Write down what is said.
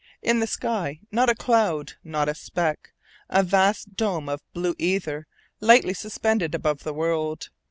In the sky not a cloud, not a speck; a vast dome of blue ether lightly suspended above the world.